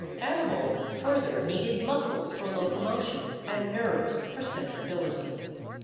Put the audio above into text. Animals further needed muscles for locomotion and nerves for sensibility.